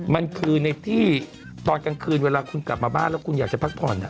มันคือในที่ตอนกลางคืนเวลาคุณกลับมาบ้านแล้วคุณอยากจะพักผ่อน